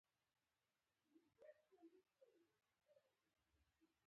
د خپلو اړیکو له لارې د نورو سره مرسته کول د ژوند کیفیت لوړوي.